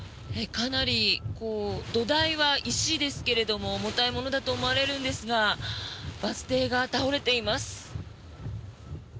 かなり土台は石ですけれども重たいものだと思われるんですがバス停が倒れています。